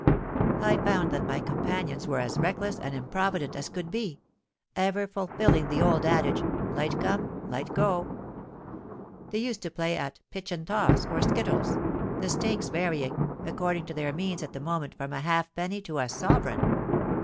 I found that my companions were as reckless and improvident as could be,—ever fulfilling the old adage, 'Light come, light go.' They used to play at 'pitch and toss,' or skittles, the stakes varying, according to their means at the moment, from a halfpenny to a sovereign.